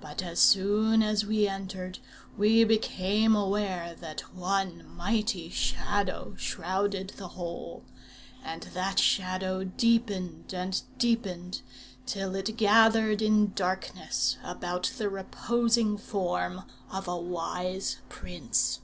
But as soon as we entered, we became aware that one mighty Shadow shrouded the whole; and that Shadow deepened and deepened, till it gathered in darkness about the reposing form of a wise prince.